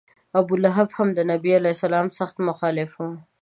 ابولهب هم د نبي علیه سلام سخت مخالف و.